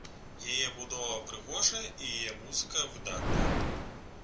Яе будова прыгожая і яе музыка выдатная.